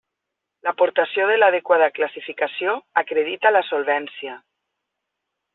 L'aportació de l'adequada classificació acredita la solvència.